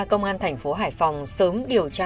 công an thành phố hải phòng sớm điều tra